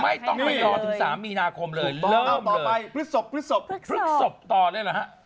ไม่ต้องรอถึง๓มีนาคมเลยเริ่มเลยพรึกศพต่อเลยหรือฮะ